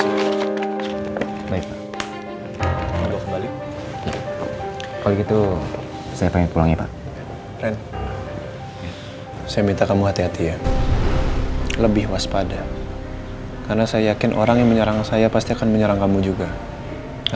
gak boleh sampai terluka